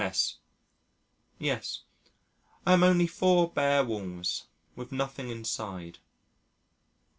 S.: "Yes. I am only four bare walls, with nothing inside."